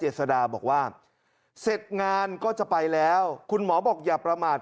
สดาบอกว่าเสร็จงานก็จะไปแล้วคุณหมอบอกอย่าประมาท